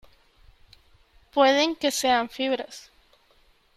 pueden que sean fibras .